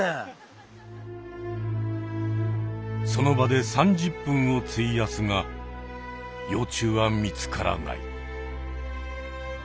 その場で３０分をついやすが幼虫は見つからない。